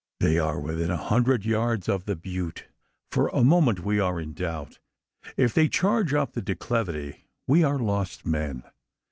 They are within a hundred yards of the butte. For a moment we are in doubt. If they charge up the declivity, we are lost men.